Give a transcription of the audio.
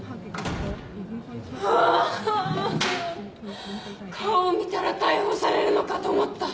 あ顔見たら逮捕されるのかと思った。